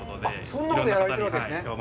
そんなことをやられているわけですね？